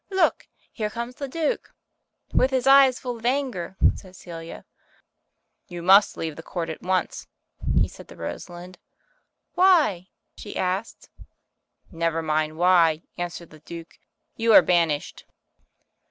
Look, here comes the Duke." "With his eyes full of anger," said Celia. "You must leave the Court at once," he said to Rosalind. "Why?" she asked. "Never mind why," answered the Duke, "you are banished."